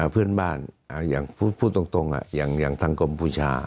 เพื่อนบ้านอย่างตรงอย่างอย่างทางกรมพุชา